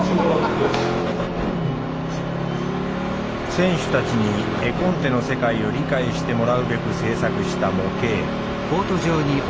選手たちに絵コンテの世界を理解してもらうべく製作した模型。